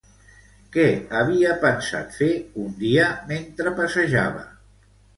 Què havia pensat fer un dia mentre passejava?